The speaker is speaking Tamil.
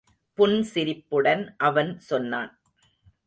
புன்சிரிப்புடன் அவன் சொன்னான்.